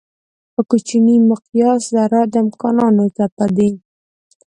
په کوچني مقیاس ذرات د امکانانو څپه دي.